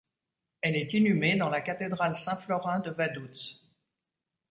Elle est inhumée dans la cathédrale Saint-Florin de Vaduz.